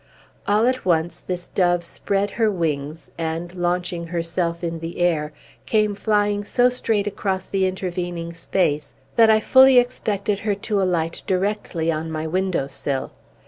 All at once this dove spread her wings, and, launching herself in the air, came flying so straight across the intervening space, that I fully expected her to alight directly on my window sill.